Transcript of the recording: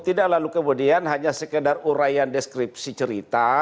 tidak lalu kemudian hanya sekedar urayan deskripsi cerita